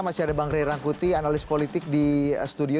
masih ada bang ray rangkuti analis politik di studio